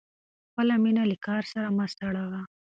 خپله مینه له کار سره مه سړوه.